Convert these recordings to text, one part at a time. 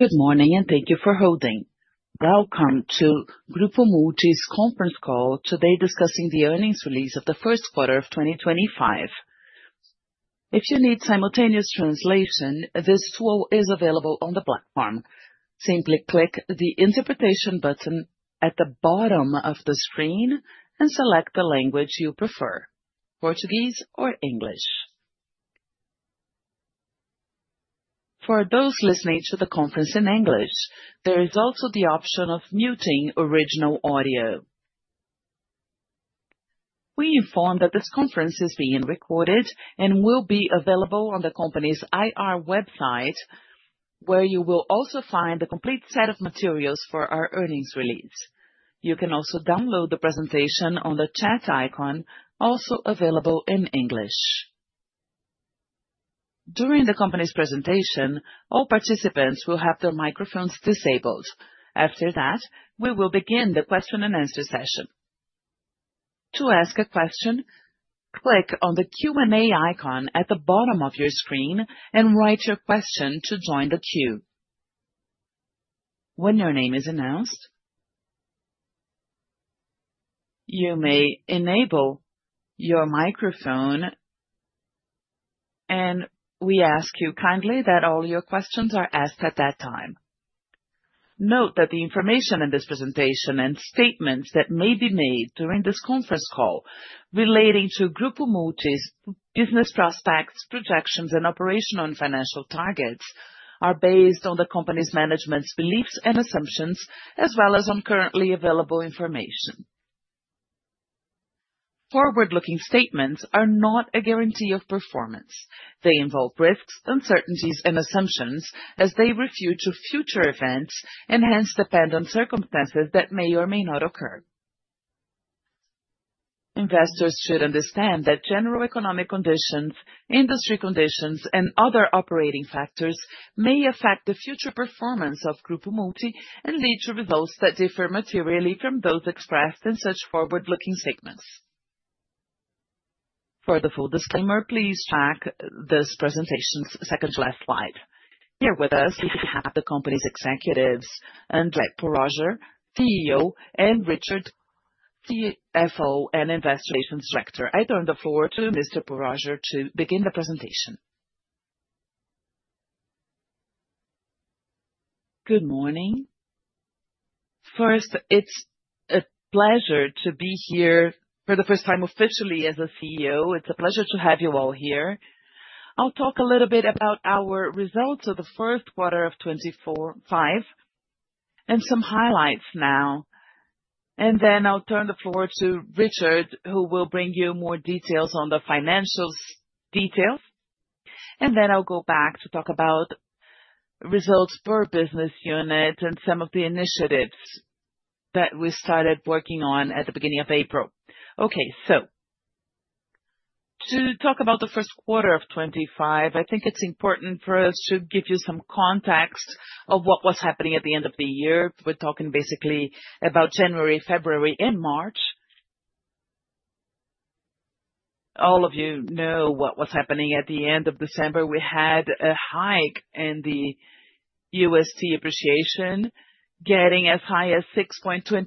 Good morning and thank you for holding. Welcome to Grupo Multi's Conference Call today discussing the earnings release of the first quarter of 2025. If you need simultaneous translation, this tool is available on the platform. Simply click the interpretation button at the bottom of the screen and select the language you prefer, Portuguese or English. For those listening to the conference in English, there is also the option of muting original audio. We inform that this conference is being recorded and will be available on the company's IR website, where you will also find the complete set of materials for our earnings release. You can also download the presentation on the chat icon, also available in English. During the company's presentation, all participants will have their microphones disabled. After that, we will begin the question and answer session. To ask a question, click on the Q&A icon at the bottom of your screen and write your question to join the queue. When your name is announced, you may enable your microphone, and we ask you kindly that all your questions are asked at that time. Note that the information in this presentation and statements that may be made during this conference call relating to Grupo Multi's business prospects, projections, and operational and financial targets are based on the company's management's beliefs and assumptions, as well as on currently available information. Forward-looking statements are not a guarantee of performance. They involve risks, uncertainties, and assumptions, as they refer to future events and, hence, depend on circumstances that may or may not occur. Investors should understand that general economic conditions, industry conditions, and other operating factors may affect the future performance of Grupo Multi and lead to results that differ materially from those expressed in such forward-looking statements. For the full disclaimer, please check this presentation's second-to-last slide. Here with us, we have the company's executives, André Poroger, CEO, and Richard, CFO and Investor Relations Director. I turn the floor to Ms. Poroger to begin the presentation. Good morning. First, it's a pleasure to be here for the first time officially as CEO. It's a pleasure to have you all here. I'll talk a little bit about our results of the first quarter of 2025 and some highlights now. Then I'll turn the floor to Richard, who will bring you more details on the financials details. Then I'll go back to talk about results per business unit and some of the initiatives that we started working on at the beginning of April. Okay, to talk about the first quarter of 2025, I think it's important for us to give you some context of what was happening at the end of the year. We're talking basically about January, February, and March. All of you know what was happening at the end of December. We had a hike in the USD appreciation, getting as high as 6.26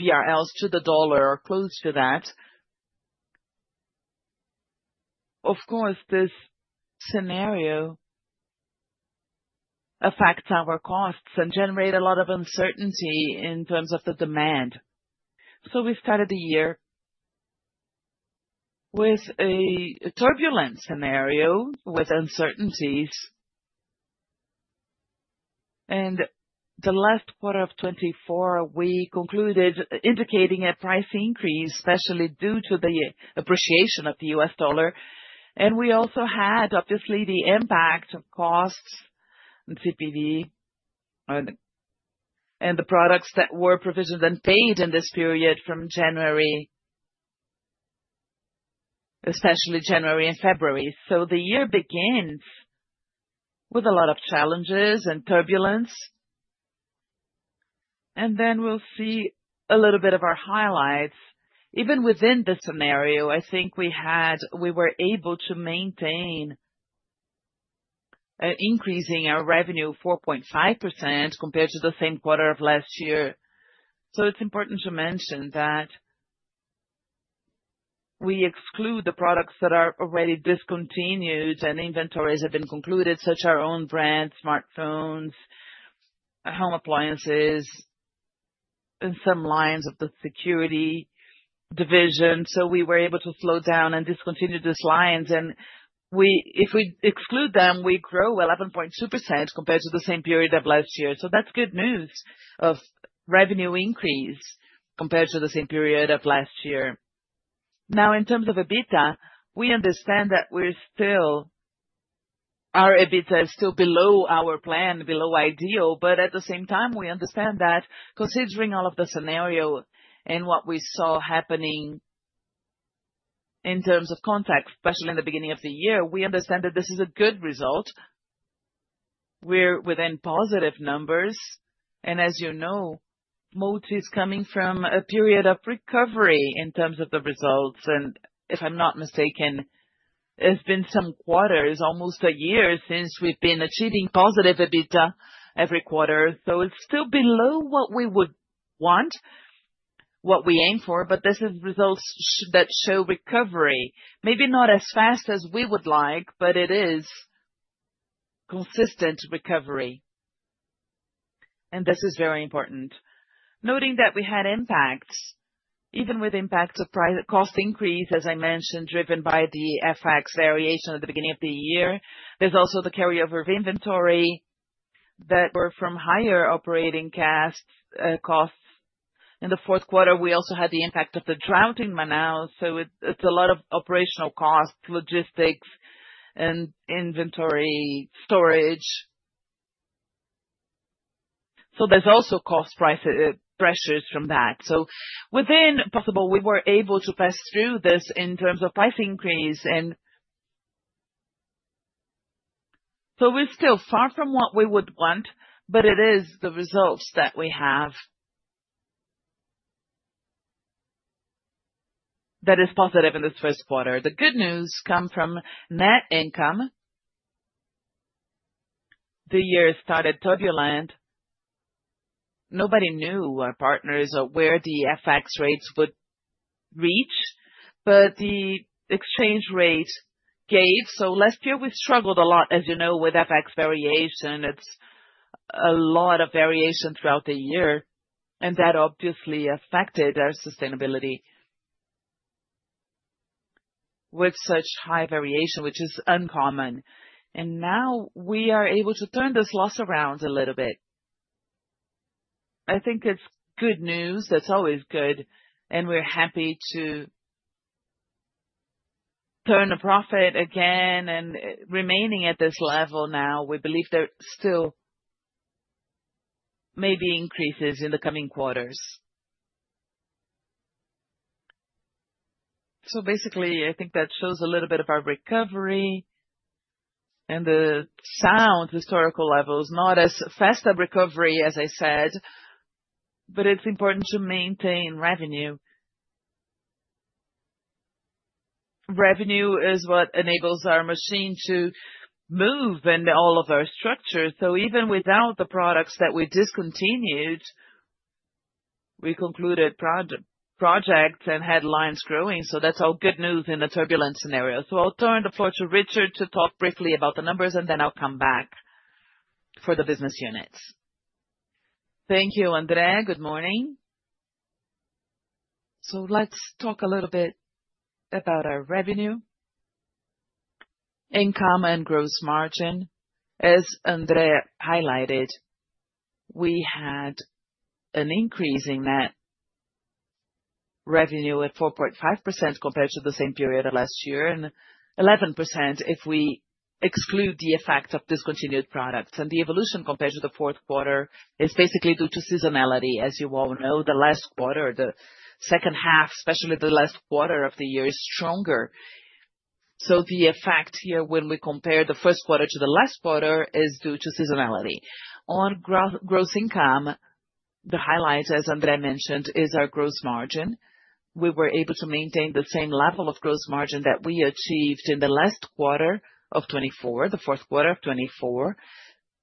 BRL to the dollar or close to that. Of course, this scenario affects our costs and generates a lot of uncertainty in terms of the demand. We started the year with a turbulent scenario with uncertainties. The last quarter of 2024, we concluded indicating a price increase, especially due to the appreciation of the U..S dollar. We also had, obviously, the impact of costs and CPV and the products that were provisioned and paid in this period from January, especially January and February. The year begins with a lot of challenges and turbulence. We will see a little bit of our highlights. Even within this scenario, I think we were able to maintain an increase in our revenue, 4.5%, compared to the same quarter of last year. It is important to mention that we exclude the products that are already discontinued and inventories have been concluded, such as our own-brand smartphones, home appliances, and some lines of the security division. We were able to slow down and discontinue these lines. If we exclude them, we grow 11.2% compared to the same period of last year. That is good news of revenue increase compared to the same period of last year. Now, in terms of EBITDA, we understand that our EBITDA is still below our plan, below ideal. At the same time, we understand that considering all of the scenario and what we saw happening in terms of contacts, especially in the beginning of the year, we understand that this is a good result. We are within positive numbers. As you know, Multi is coming from a period of recovery in terms of the results. If I'm not mistaken, it's been some quarters, almost a year since we've been achieving positive EBITDA every quarter. It is still below what we would want, what we aim for, but this is results that show recovery. Maybe not as fast as we would like, but it is consistent recovery. This is very important. Noting that we had impacts, even with impacts of cost increase, as I mentioned, driven by the FX variation at the beginning of the year. There is also the carryover of inventory that were from higher operating costs. In the fourth quarter, we also had the impact of the drought in Manaus. It is a lot of operational costs, logistics, and inventory storage. There is also cost pressures from that. Within possible, we were able to pass through this in terms of price increase. We are still far from what we would want, but it is the results that we have that is positive in this first quarter. The good news comes from net income. The year started turbulent. Nobody knew our partners or where the FX rates would reach, but the exchange rate gave. Last year, we struggled a lot, as you know, with FX variation. It is a lot of variation throughout the year, and that obviously affected our sustainability with such high variation, which is uncommon. Now we are able to turn this loss around a little bit. I think it is good news. That is always good. We are happy to turn the profit again and remaining at this level now. We believe there still may be increases in the coming quarters. So basically, I think that shows a little bit of our recovery and the sound historical levels, not as fast a recovery as I said, but it's important to maintain revenue. Revenue is what enables our machine to move and all of our structures. Even without the products that we discontinued, we concluded projects and had lines growing. That's all good news in the turbulent scenario. I'll turn the floor to Richard to talk briefly about the numbers, and then I'll come back for the business units. Thank you, André. Good morning. Let's talk a little bit about our revenue, income, and gross margin. As André highlighted, we had an increase in net revenue at 4.5% compared to the same period of last year and 11% if we exclude the effect of discontinued products. The evolution compared to the fourth quarter is basically due to seasonality, as you all know. The last quarter, the second half, especially the last quarter of the year is stronger. The effect here when we compare the first quarter to the last quarter is due to seasonality. On gross income, the highlight, as André mentioned, is our gross margin. We were able to maintain the same level of gross margin that we achieved in the last quarter of 2024, the fourth quarter of 2024.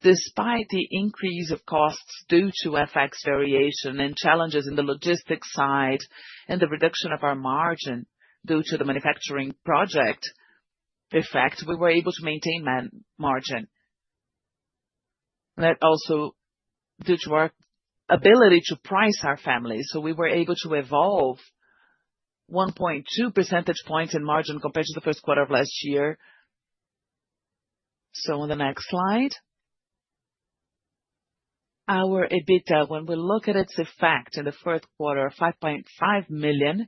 Despite the increase of costs due to FX variation and challenges in the logistics side and the reduction of our margin due to the manufacturing project effect, we were able to maintain margin. That also due to our ability to price our family. We were able to evolve 1.2 percentage points in margin compared to the first quarter of last year. On the next slide, our EBITDA, when we look at its effect in the fourth quarter, 5.5 million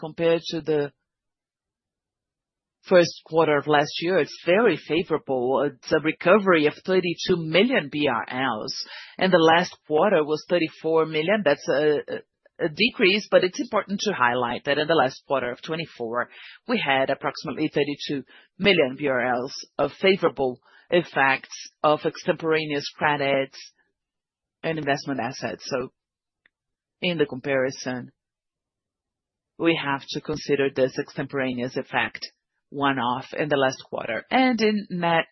compared to the first quarter of last year, it's very favorable. It's a recovery of 32 million BRL. The last quarter was 34 million. That's a decrease, but it's important to highlight that in the last quarter of 2024, we had approximately 32 million BRL of favorable effects of extemporaneous credits and investment assets. In the comparison, we have to consider this extemporaneous effect one-off in the last quarter. In net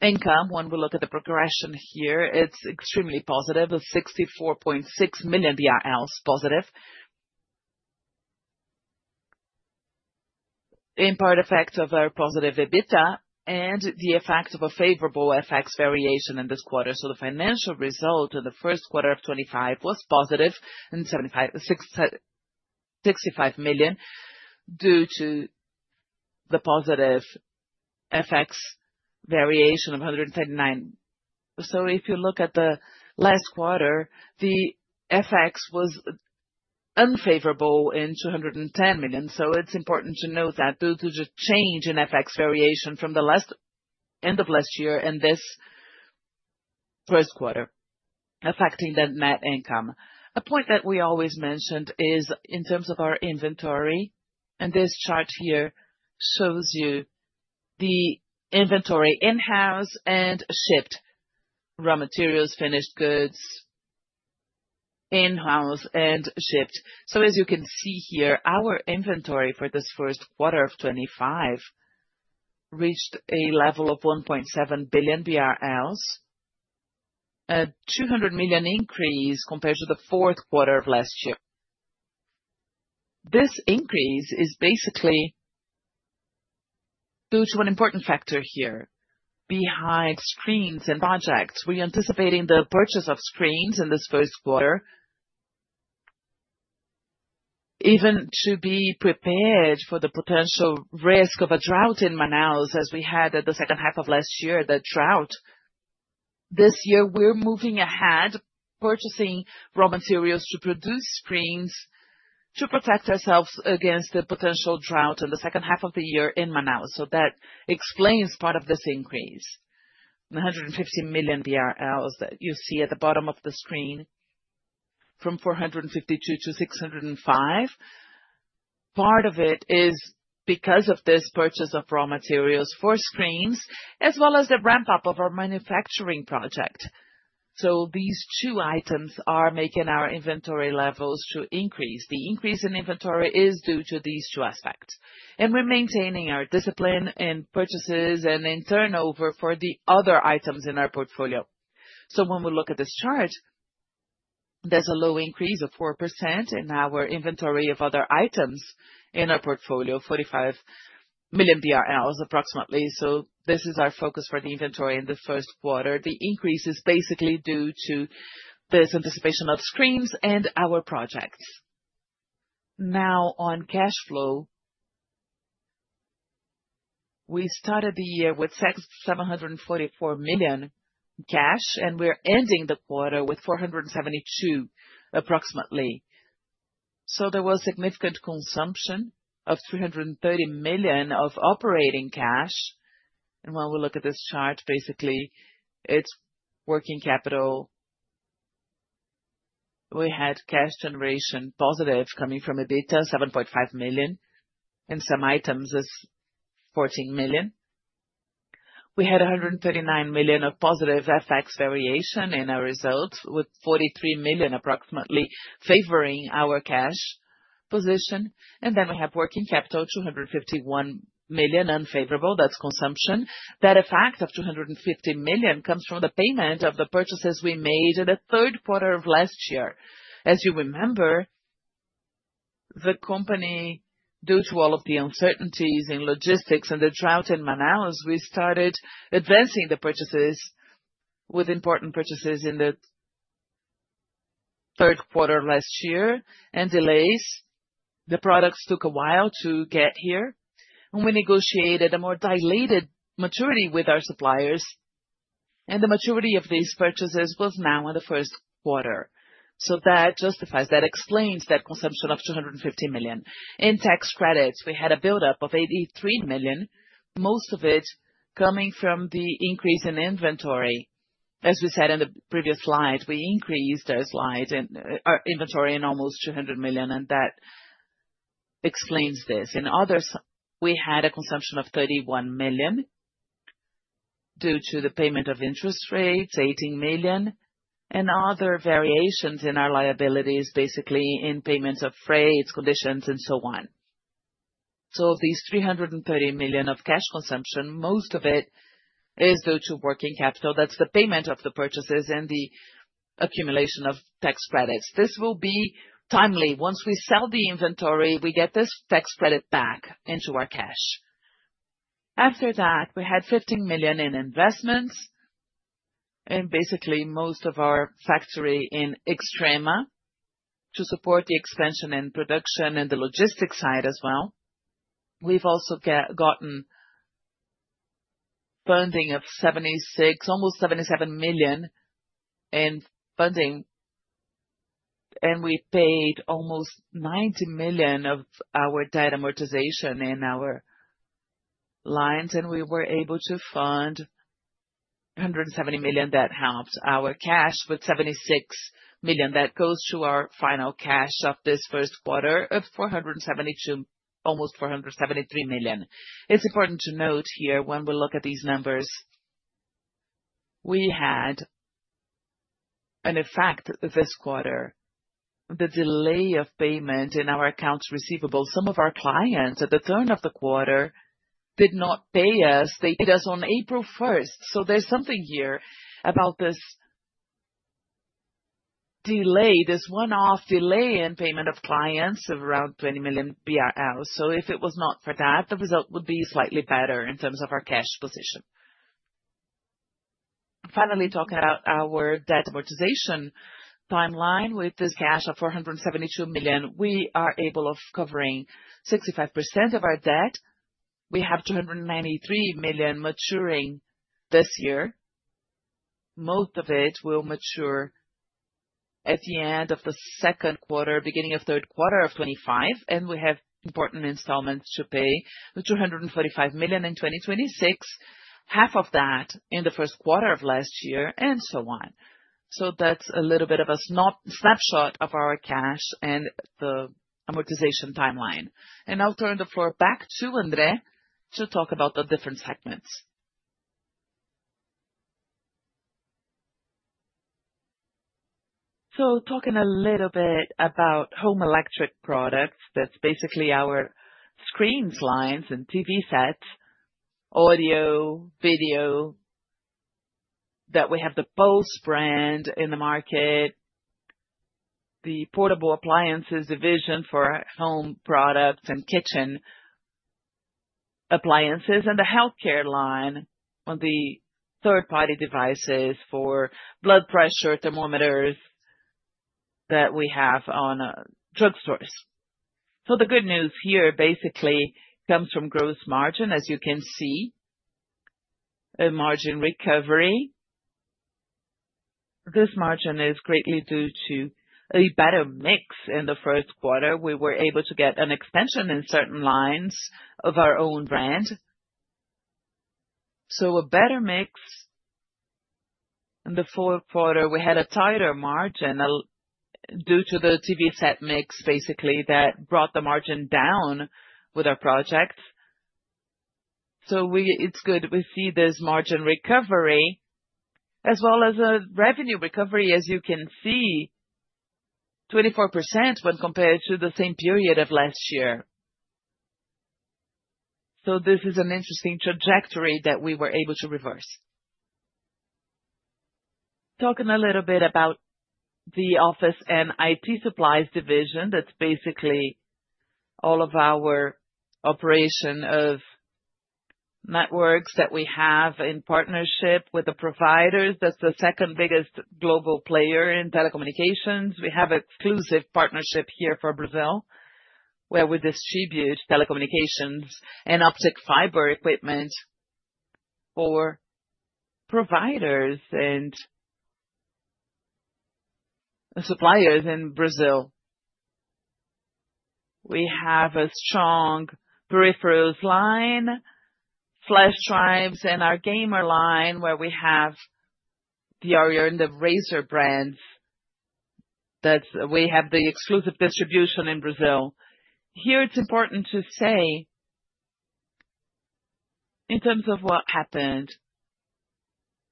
income, when we look at the progression here, it's extremely positive of 64.6 million BRL positive, in part effect of our positive EBITDA and the effect of a favorable FX variation in this quarter. The financial result of the first quarter of 2025 was positive in 65 million due to the positive FX variation of 139 million. If you look at the last quarter, the FX was unfavorable in 210 million. It is important to note that due to the change in FX variation from the end of last year to this first quarter, it affected the net income. A point that we always mention is in terms of our inventory. This chart here shows you the inventory in-house and shipped, raw materials, finished goods in-house and shipped. As you can see here, our inventory for this first quarter of 2025 reached a level of 1.7 billion BRL, a 200 million increase compared to the fourth quarter of last year. This increase is basically due to an important factor here behind screens and projects. We anticipate the purchase of screens in this first quarter, even to be prepared for the potential risk of a drought in Manaus, as we had at the second half of last year, the drought. This year, we're moving ahead, purchasing raw materials to produce screens to protect ourselves against the potential drought in the second half of the year in Manaus. That explains part of this increase, 150 million BRL that you see at the bottom of the screen from 452 million to 605 million. Part of it is because of this purchase of raw materials for screens, as well as the ramp-up of our manufacturing project. These two items are making our inventory levels increase. The increase in inventory is due to these two aspects. We're maintaining our discipline in purchases and in turnover for the other items in our portfolio. When we look at this chart, there's a low increase of 4% in our inventory of other items in our portfolio, 45 million BRL approximately. This is our focus for the inventory in the first quarter. The increase is basically due to this anticipation of screens and our projects. Now, on cash flow, we started the year with 744 million cash, and we're ending the quarter with 472 million approximately. There was significant consumption of 330 million of operating cash. When we look at this chart, basically, it's working capital. We had cash generation positive coming from EBITDA, 7.5 million, and some items is 14 million. We had 139 million of positive FX variation in our results with 43 million approximately favoring our cash position. Then we have working capital, 251 million unfavorable. That's consumption. That effect of 250 million comes from the payment of the purchases we made in the third quarter of last year. As you remember, the company, due to all of the uncertainties in logistics and the drought in Manaus, we started advancing the purchases with important purchases in the third quarter of last year and delays. The products took a while to get here. We negotiated a more dilated maturity with our suppliers. The maturity of these purchases was now in the first quarter. That justifies, that explains that consumption of 250 million. In tax credits, we had a buildup of 83 million, most of it coming from the increase in inventory. As we said in the previous slide, we increased our slide and our inventory in almost 200 million, and that explains this. In others, we had a consumption of 31 million due to the payment of interest rates, 18 million, and other variations in our liabilities, basically in payments of freights, conditions, and so on. Of these 330 million of cash consumption, most of it is due to working capital. That is the payment of the purchases and the accumulation of tax credits. This will be timely. Once we sell the inventory, we get this tax credit back into our cash. After that, we had 15 million in investments and basically most of our factory in Extrema to support the expansion and production and the logistics side as well. We have also gotten funding of 76 million, almost 77 million in funding, and we paid almost 90 million of our debt amortization in our lines, and we were able to fund 170 million. That helped our cash with 76 million. That goes to our final cash of this first quarter of 472 million, almost 473 million. It's important to note here when we look at these numbers, we had an effect this quarter, the delay of payment in our accounts receivable. Some of our clients at the turn of the quarter did not pay us. They paid us on April 1st. There is something here about this delay, this one-off delay in payment of clients of around 20 million. If it was not for that, the result would be slightly better in terms of our cash position. Finally, talking about our debt amortization timeline, with this cash of 472 million, we are able of covering 65% of our debt. We have 293 million maturing this year. Most of it will mature at the end of the second quarter, beginning of third quarter of 2025, and we have important installments to pay, the 245 million in 2026, half of that in the first quarter of last year, and so on. That is a little bit of a snapshot of our cash and the amortization timeline. I'll turn the floor back to André to talk about the different segments. Talking a little bit about home electric products, that is basically our screens, lines, and TV sets, audio, video, that we have the Bose brand in the market, the portable appliances division for home products and kitchen appliances, and the healthcare line on the third-party devices for blood pressure thermometers that we have on drug stores. The good news here basically comes from gross margin, as you can see, a margin recovery. This margin is greatly due to a better mix in the first quarter. We were able to get an extension in certain lines of our own brand. So a better mix. In the fourth quarter, we had a tighter margin due to the TV set mix, basically, that brought the margin down with our projects. It is good. We see this margin recovery as well as a revenue recovery, as you can see, 24% when compared to the same period of last year. This is an interesting trajectory that we were able to reverse. Talking a little bit about the office and IT supplies division, that is basically all of our operation of networks that we have in partnership with the providers. That is the second biggest global player in telecommunications. We have an exclusive partnership here for Brazil, where we distribute telecommunications and optic fiber equipment for providers and suppliers in Brazil. We have a strong peripherals line, flash drives, and our gamer line, where we have the Arion and the Razer brands. We have the exclusive distribution in Brazil. Here, it's important to say in terms of what happened,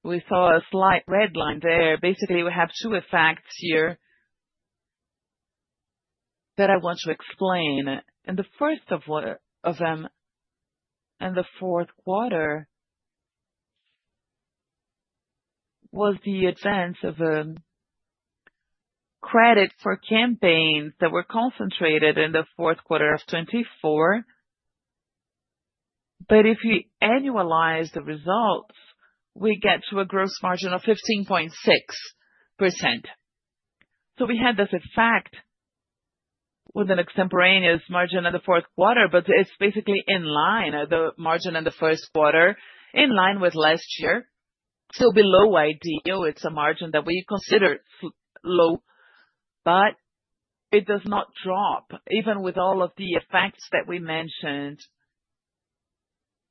we saw a slight red line there. Basically, we have two effects here that I want to explain. The first of them in the fourth quarter was the advance of credit for campaigns that were concentrated in the fourth quarter of 2024. If you annualize the results, we get to a gross margin of 15.6%. We had this effect with an extemporaneous margin in the fourth quarter, but it's basically in line, the margin in the first quarter, in line with last year. Below ideal, it's a margin that we consider low, but it does not drop, even with all of the effects that we mentioned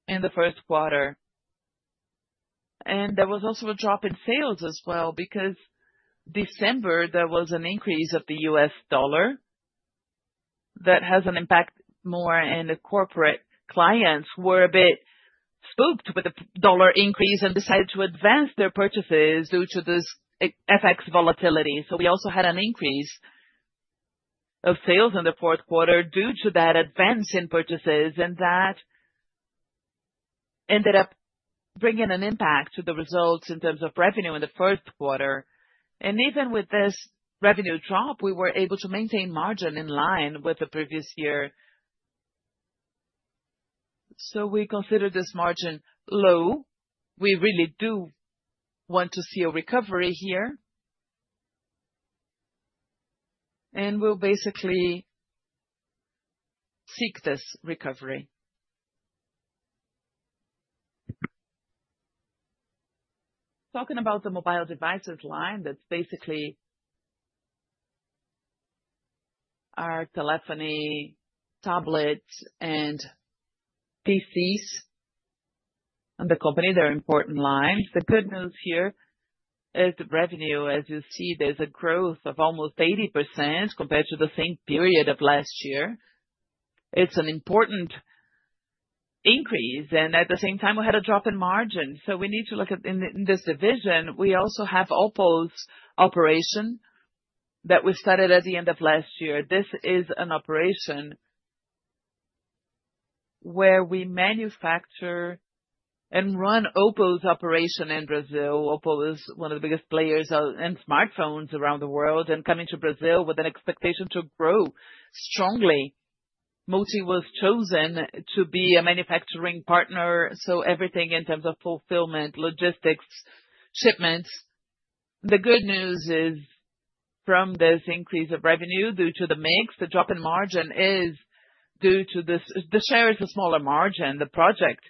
in the first quarter. There was also a drop in sales as well because December, there was an increase of the U.S. dollar that has an impact more in the corporate clients who were a bit spooked with the dollar increase and decided to advance their purchases due to this FX volatility. We also had an increase of sales in the fourth quarter due to that advance in purchases, and that ended up bringing an impact to the results in terms of revenue in the first quarter. Even with this revenue drop, we were able to maintain margin in line with the previous year. We consider this margin low. We really do want to see a recovery here, and we'll basically seek this recovery. Talking about the mobile devices line, that's basically our telephony, tablets, and PCs in the company, they are important lines. The good news here is the revenue. As you see, there's a growth of almost 80% compared to the same period of last year. It's an important increase. At the same time, we had a drop in margin. We need to look at in this division, we also have OPPO's operation that we started at the end of last year. This is an operation where we manufacture and run OPPO's operation in Brazil. OPPO is one of the biggest players in smartphones around the world and coming to Brazil with an expectation to grow strongly. Multi was chosen to be a manufacturing partner, so everything in terms of fulfillment, logistics, shipments. The good news is from this increase of revenue due to the mix, the drop in margin is due to the share is a smaller margin, the project,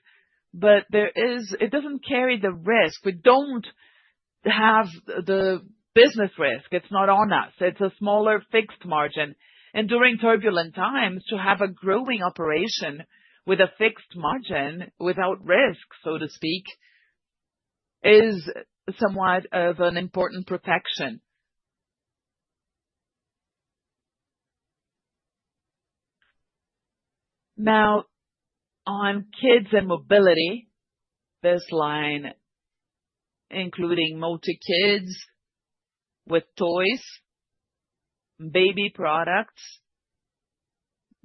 but it doesn't carry the risk. We don't have the business risk. It's not on us. It's a smaller fixed margin. During turbulent times, to have a growing operation with a fixed margin without risk, so to speak, is somewhat of an important protection. Now, on kids and mobility, this line, including Multi-kids with toys, baby products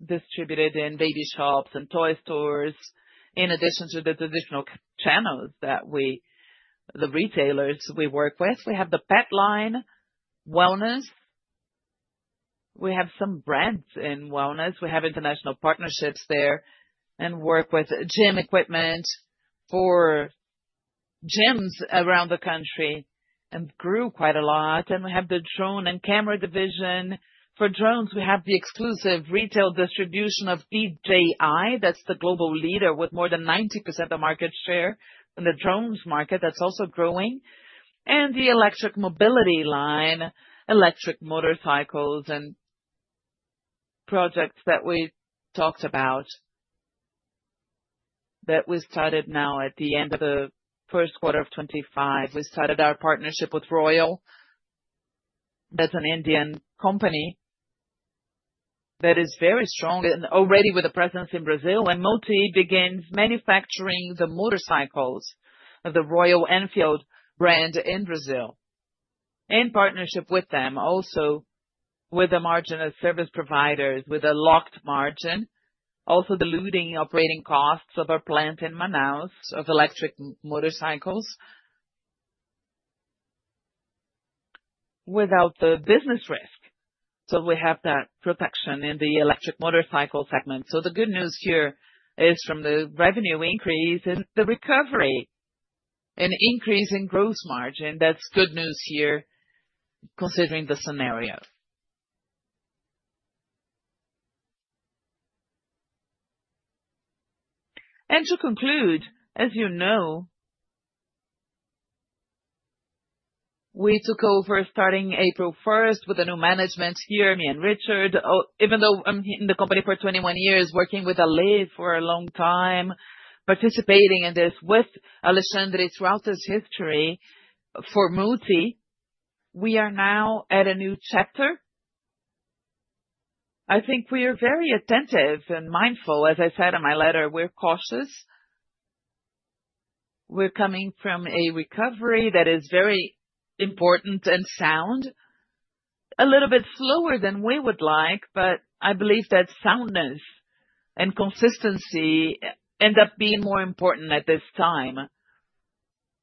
distributed in baby shops and toy stores, in addition to the traditional channels that we, the retailers we work with. We have the pet line, wellness. We have some brands in wellness. We have international partnerships there and work with gym equipment for gyms around the country and grew quite a lot. We have the drone and camera division. For drones, we have the exclusive retail distribution of DJI. That's the global leader with more than 90% of market share in the drones market. That's also growing. The electric mobility line, electric motorcycles and projects that we talked about that we started now at the end of the first quarter of 2025. We started our partnership with Royal. That's an Indian company that is very strong and already with a presence in Brazil. Multi begins manufacturing the motorcycles of the Royal Enfield brand in Brazil in partnership with them, also with the margin of service providers with a locked margin, also diluting operating costs of our plant in Manaus of electric motorcycles without the business risk. We have that protection in the electric motorcycle segment. The good news here is from the revenue increase and the recovery and increase in gross margin. That's good news here considering the scenario. To conclude, as you know, we took over starting April 1st with a new management here, me and Richard. Even though I'm in the company for 21 years, working with Ale for a long time, participating in this with Alexander throughout this history for Multi, we are now at a new chapter. I think we are very attentive and mindful. As I said in my letter, we're cautious. We're coming from a recovery that is very important and sound, a little bit slower than we would like, but I believe that soundness and consistency end up being more important at this time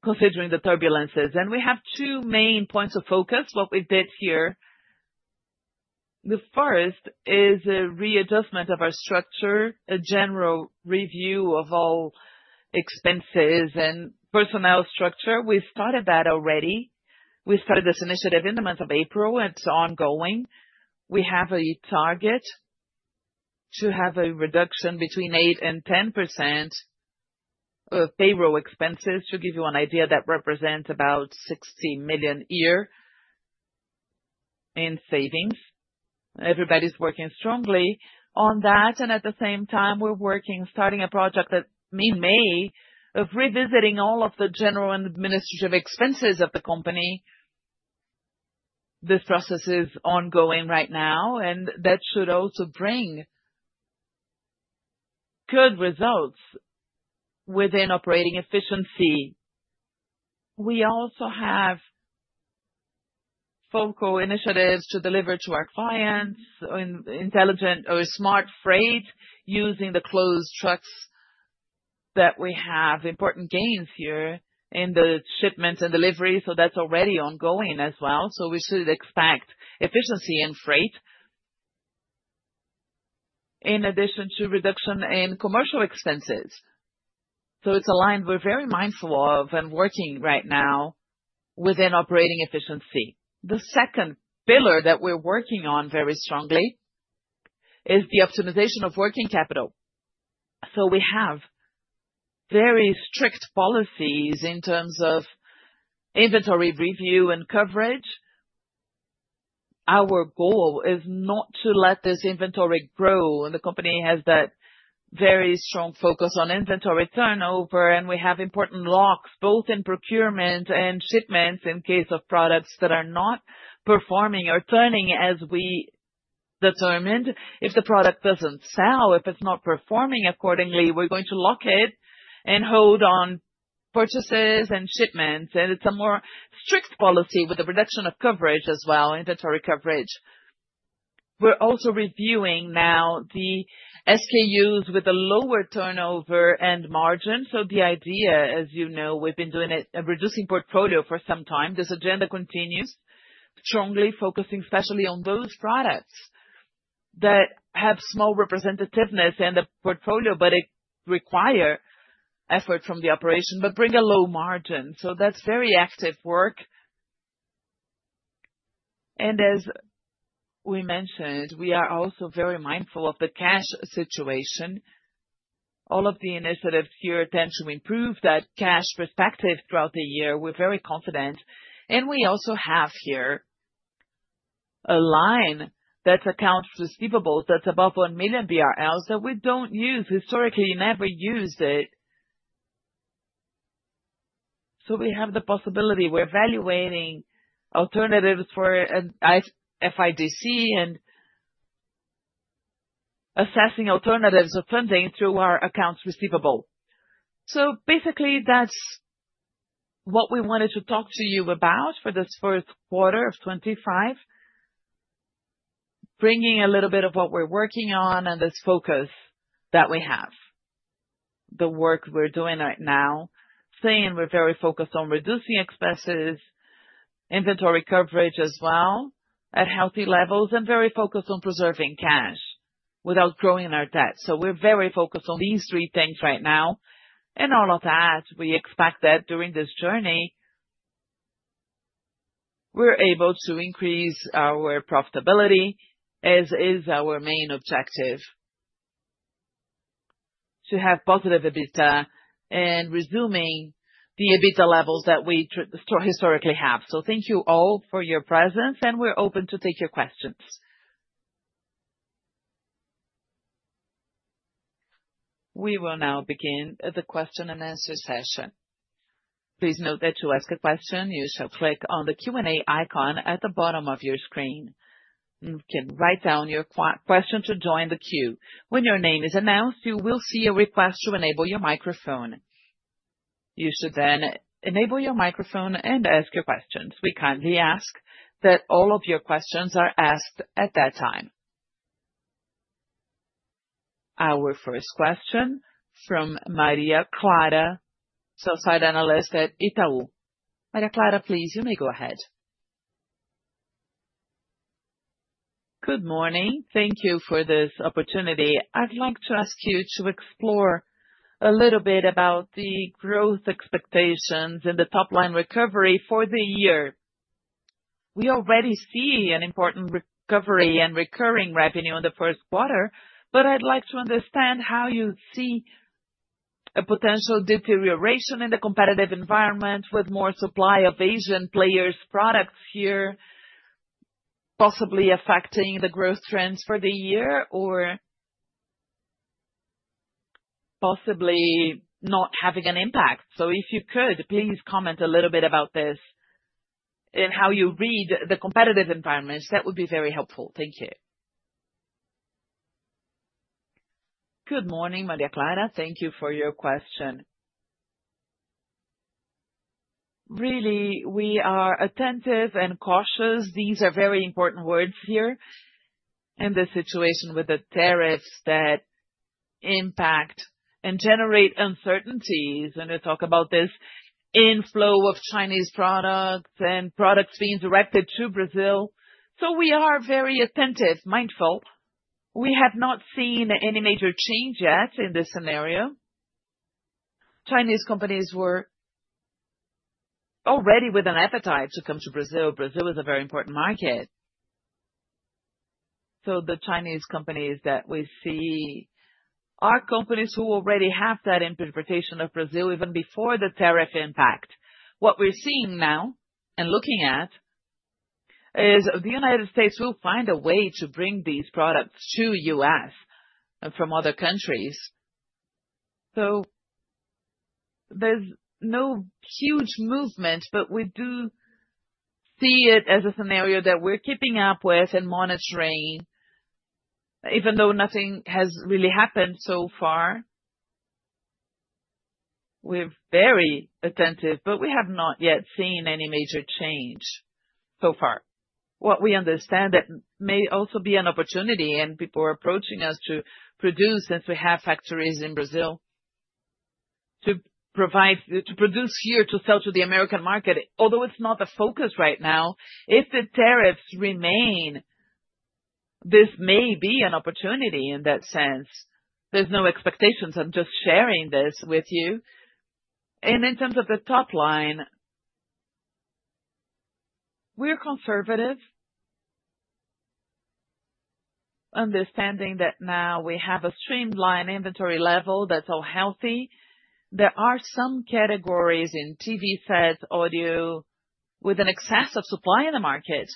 considering the turbulences. We have two main points of focus, what we did here. The first is a readjustment of our structure, a general review of all expenses and personnel structure. We started that already. We started this initiative in the month of April. It's ongoing. We have a target to have a reduction between 8% and 10% of payroll expenses, to give you an idea that represents about 60 million a year in savings. Everybody's working strongly on that. At the same time, we're working, starting a project in May of revisiting all of the general and administrative expenses of the company. This process is ongoing right now, and that should also bring good results within operating efficiency. We also have focal initiatives to deliver to our clients intelligent or smart freight using the closed trucks that we have. Important gains here in the shipments and deliveries. That's already ongoing as well. We should expect efficiency in freight in addition to reduction in commercial expenses. It's a line we're very mindful of and working right now within operating efficiency. The second pillar that we're working on very strongly is the optimization of working capital. We have very strict policies in terms of inventory review and coverage. Our goal is not to let this inventory grow. The company has that very strong focus on inventory turnover, and we have important locks both in procurement and shipments in case of products that are not performing or turning as we determined. If the product doesn't sell, if it's not performing accordingly, we're going to lock it and hold on purchases and shipments. It is a more strict policy with the reduction of coverage as well, inventory coverage. We're also reviewing now the SKUs with a lower turnover and margin. The idea, as you know, we've been doing it and reducing portfolio for some time. This agenda continues, strongly focusing especially on those products that have small representativeness in the portfolio, but it requires effort from the operation, but bring a low margin. That is very active work. As we mentioned, we are also very mindful of the cash situation. All of the initiatives here tend to improve that cash perspective throughout the year. We are very confident. We also have here a line that is accounts receivables that is above 1 million BRL that we do not use. Historically, we never used it. We have the possibility. We are evaluating alternatives for FIDC and assessing alternatives of funding through our accounts receivable. Basically, that's what we wanted to talk to you about for this first quarter of 2025, bringing a little bit of what we're working on and this focus that we have, the work we're doing right now, saying we're very focused on reducing expenses, inventory coverage as well at healthy levels, and very focused on preserving cash without growing our debt. We're very focused on these three things right now. All of that, we expect that during this journey, we're able to increase our profitability, as is our main objective, to have positive EBITDA and resuming the EBITDA levels that we historically have. Thank you all for your presence, and we're open to take your questions. We will now begin the question and answer session. Please note that to ask a question, you shall click on the Q&A icon at the bottom of your screen. You can write down your question to join the queue. When your name is announced, you will see a request to enable your microphone. You should then enable your microphone and ask your questions. We kindly ask that all of your questions are asked at that time. Our first question from Maria Clara, Sell-side Analyst at Itaú. Maria Clara, please, you may go ahead. Good morning. Thank you for this opportunity. I'd like to ask you to explore a little bit about the growth expectations and the top-line recovery for the year. We already see an important recovery and recurring revenue in the first quarter, but I'd like to understand how you see a potential deterioration in the competitive environment with more supply of Asian players' products here, possibly affecting the growth trends for the year or possibly not having an impact. If you could, please comment a little bit about this and how you read the competitive environment. That would be very helpful. Thank you. Good morning, Maria Clara. Thank you for your question. Really, we are attentive and cautious. These are very important words here in this situation with the tariffs that impact and generate uncertainties. We talk about this inflow of Chinese products and products being directed to Brazil. We are very attentive, mindful. We have not seen any major change yet in this scenario. Chinese companies were already with an appetite to come to Brazil. Brazil is a very important market. The Chinese companies that we see are companies who already have that interpretation of Brazil even before the tariff impact. What we're seeing now and looking at is the United States will find a way to bring these products to the U.S. from other countries. There is no huge movement, but we do see it as a scenario that we're keeping up with and monitoring, even though nothing has really happened so far. We're very attentive, but we have not yet seen any major change so far. What we understand that may also be an opportunity, and people are approaching us to produce since we have factories in Brazil, to produce here to sell to the American market, although it's not the focus right now. If the tariffs remain, this may be an opportunity in that sense. There are no expectations. I'm just sharing this with you. In terms of the top line, we're conservative, understanding that now we have a streamlined inventory level that's all healthy. There are some categories in TV sets, audio with an excess of supply in the market.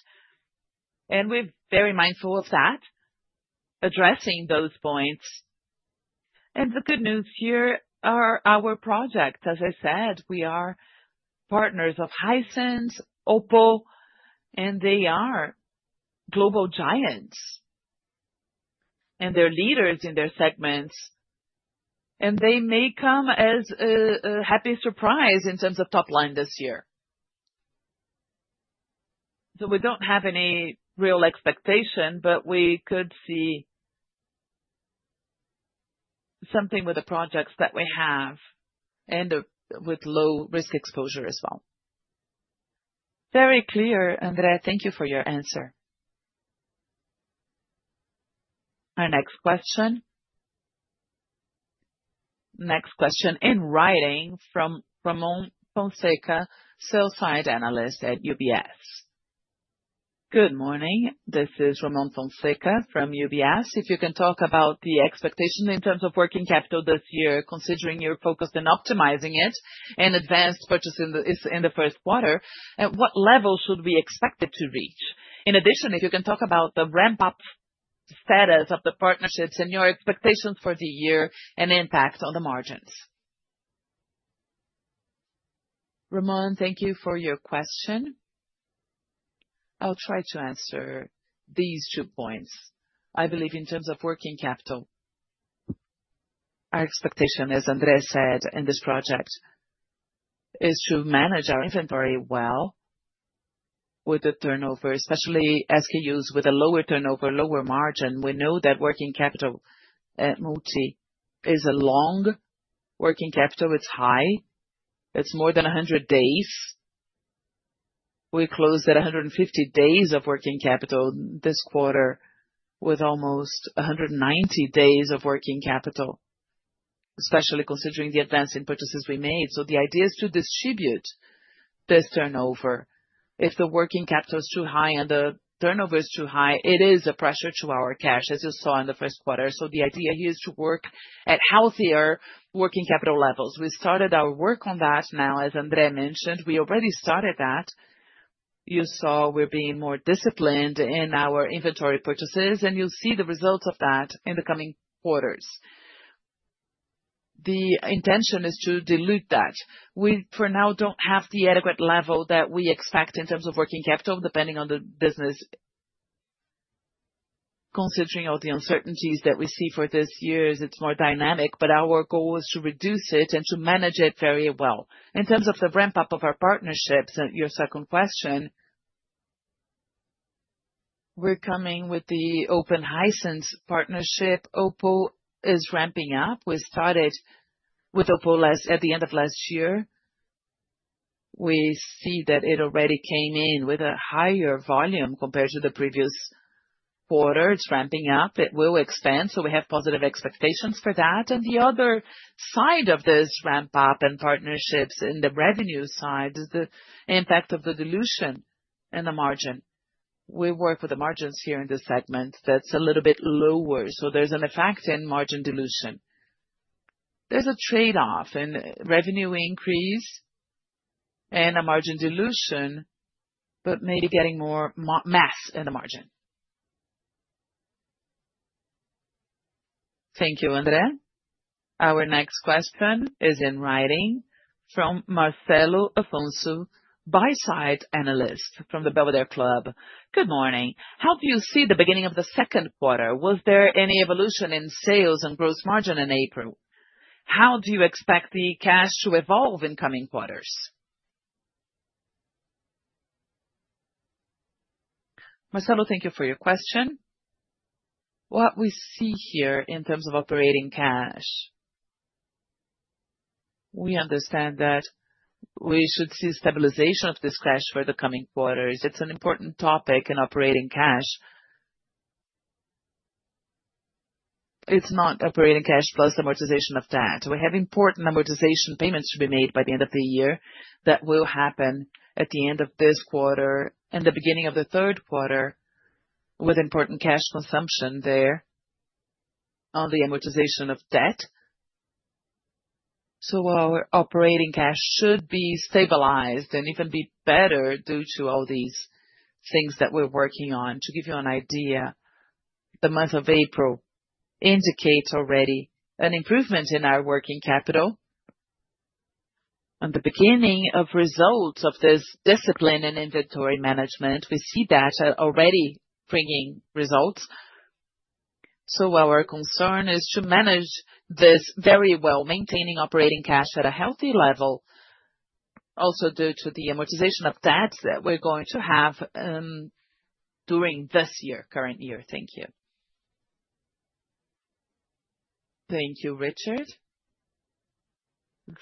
We are very mindful of that, addressing those points. The good news here are our projects. As I said, we are partners of Hisense, OPPO, and they are global giants, and they are leaders in their segments. They may come as a happy surprise in terms of top line this year. We do not have any real expectation, but we could see something with the projects that we have and with low risk exposure as well. Very clear, André. Thank you for your answer. Our next question. Next question in writing from Ramon Fonseca, Sell-side Analyst at UBS. Good morning. This is Ramon Fonseca from UBS. If you can talk about the expectation in terms of working capital this year, considering your focus in optimizing it and advanced purchasing in the first quarter, at what level should we expect it to reach? In addition, if you can talk about the ramp-up status of the partnerships and your expectations for the year and impact on the margins. Ramon, thank you for your question. I'll try to answer these two points. I believe in terms of working capital, our expectation, as André said, in this project is to manage our inventory well with the turnover, especially SKUs with a lower turnover, lower margin. We know that working capital at Multi is a long working capital. It's high. It's more than 100 days. We closed at 150 days of working capital this quarter with almost 190 days of working capital, especially considering the advance in purchases we made. The idea is to distribute this turnover. If the working capital is too high and the turnover is too high, it is a pressure to our cash, as you saw in the first quarter. The idea here is to work at healthier working capital levels. We started our work on that now, as André mentioned. We already started that. You saw we're being more disciplined in our inventory purchases, and you'll see the results of that in the coming quarters. The intention is to dilute that. We for now do not have the adequate level that we expect in terms of working capital, depending on the business. Considering all the uncertainties that we see for this year, it is more dynamic, but our goal is to reduce it and to manage it very well. In terms of the ramp-up of our partnerships, your second question, we're coming with the open Hisense partnership. OPPO is ramping up. We started with OPPO at the end of last year. We see that it already came in with a higher volume compared to the previous quarter. It's ramping up. It will expand. We have positive expectations for that. The other side of this ramp-up and partnerships in the revenue side is the impact of the dilution in the margin. We work with the margins here in this segment that's a little bit lower. There is an effect in margin dilution. There is a trade-off in revenue increase and a margin dilution, but maybe getting more mass in the margin. Thank you, André. Our next question is in writing from Marcelo Afonso, By-side Analyst from Belvedere Club. Good morning. How do you see the beginning of the second quarter? Was there any evolution in sales and gross margin in April? How do you expect the cash to evolve in coming quarters? Marcelo, thank you for your question. What we see here in terms of operating cash, we understand that we should see stabilization of this cash for the coming quarters. It is an important topic in operating cash. It is not operating cash plus amortization of debt. We have important amortization payments to be made by the end of the year that will happen at the end of this quarter and the beginning of the third quarter with important cash consumption there on the amortization of debt. Our operating cash should be stabilized and even be better due to all these things that we are working on. To give you an idea, the month of April indicates already an improvement in our working capital. On the beginning of results of this discipline and inventory management, we see data already bringing results. Our concern is to manage this very well, maintaining operating cash at a healthy level, also due to the amortization of debts that we're going to have during this year, current year. Thank you. Thank you, Richard.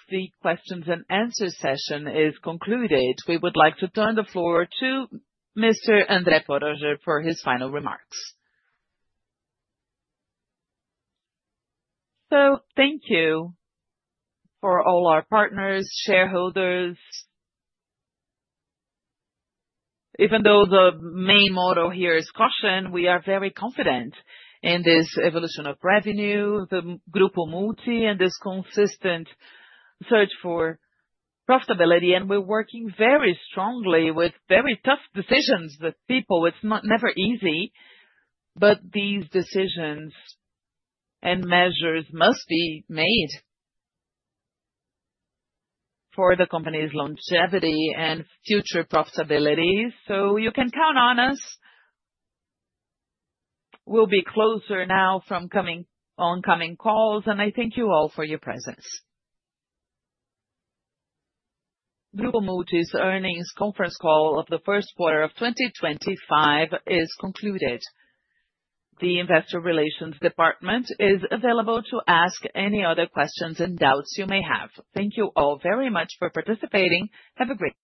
The questions and answers session is concluded. We would like to turn the floor to Mr. André Poroger for his final remarks. Thank you for all our partners, shareholders. Even though the main motto here is caution, we are very confident in this evolution of revenue, the Grupo Multi, and this consistent search for profitability. We are working very strongly with very tough decisions that people, it's not never easy, but these decisions and measures must be made for the company's longevity and future profitability. You can count on us. We will be closer now from coming oncoming calls. I thank you all for your presence. Grupo Multi's Earnings Conference Call of the First Quarter of 2025 is concluded. The investor relations department is available to ask any other questions and doubts you may have. Thank you all very much for participating. Have a great day.